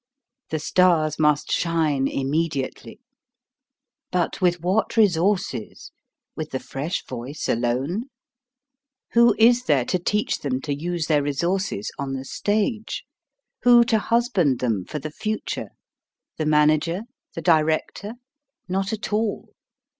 The stars must shine immediately! But with what resources? With the fresh voice alone? Who is there to teach them to use their resources on the 38 HOW TO SING stage ? Who to husband them for the future ? The manager? the director? Not at all.